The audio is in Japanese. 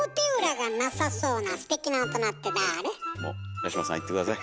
八嶋さんいって下さい。